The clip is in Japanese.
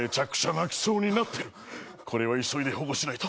これは急いで保護しないと！